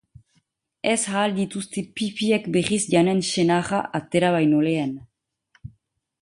Ez ahal dituzte pipiek berriz janen senarra atera baino lehen...